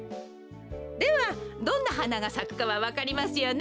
ではどんなはながさくかはわかりますよね？